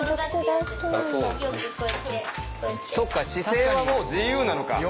そっか姿勢はもう自由なのか。